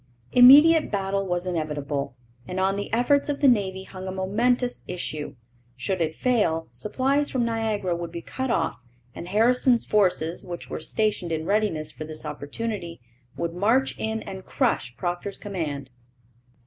Immediate battle was inevitable, and on the efforts of the navy hung a momentous issue. Should it fail, supplies from Niagara would be cut off and Harrison's forces, which were stationed in readiness for this opportunity, would march in and crush Procter's command.